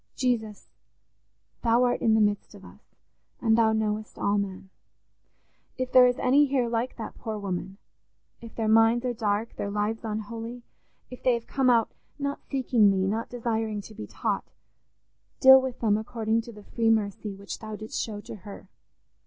Jesus, Thou art in the midst of us, and Thou knowest all men: if there is any here like that poor woman—if their minds are dark, their lives unholy—if they have come out not seeking Thee, not desiring to be taught; deal with them according to the free mercy which Thou didst show to her.